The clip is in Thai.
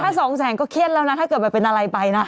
ถ้าสองแสนก็เครียดแล้วนะถ้าเกิดมันเป็นอะไรไปนะ